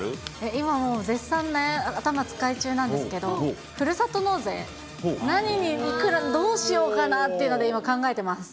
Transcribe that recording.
今も絶賛ね、頭使い中なんですけど、ふるさと納税、何にいくらどうしようかなっていうので今、考えてます。